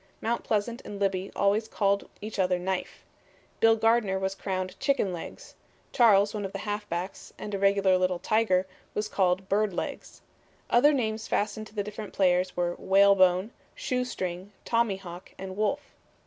Mount Pleasant and Libby always called each other Knife. Bill Gardner was crowned Chicken Legs, Charles, one of the halfbacks, and a regular little tiger, was called Bird Legs. Other names fastened to the different players were Whale Bone, Shoe String, Tommyhawk and Wolf.